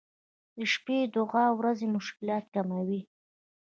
• د شپې دعا د ورځې مشکلات کموي.